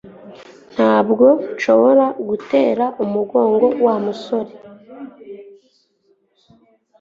Ntabwo nshobora gutera umugongo Wa musore